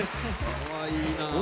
かわいいな。